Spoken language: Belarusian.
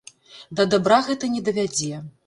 Да дабра гэта не давядзе.